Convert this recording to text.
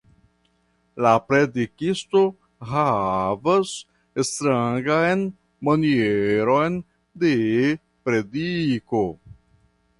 La predikisto havas strangan manieron de prediko.